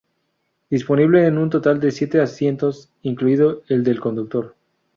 Dispone de un total de siete asientos incluido el del conductor.